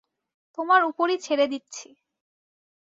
তোমার ওপরই ছেড়ে দিচ্ছি।